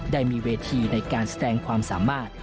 ได้มีเวทีในการแสดงความสามารถ